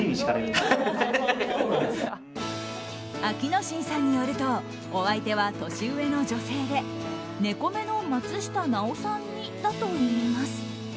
暁之進さんによるとお相手は年上の女性で猫目の松下奈緒さん似だといいます。